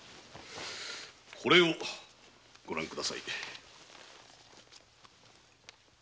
これをご覧ください。